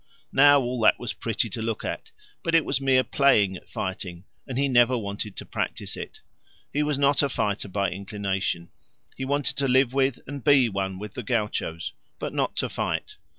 Now all that was pretty to look at, but it was mere playing at fighting and he never wanted to practise it. He was not a fighter by inclination; he wanted to live with and be one with the gauchos, but not to fight.